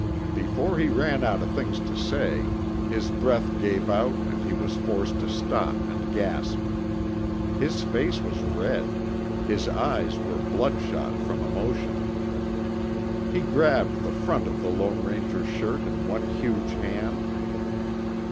Before he ran out of things to say, his breath gave out and he was forced to stop and gasp. His face was red, his eyes were bloodshot from emotion. He grabbed the front of the Lone Ranger's shirt in one huge hand.